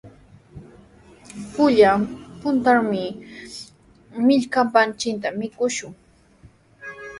Pullan puntrawmi millkapanchikta mikushun.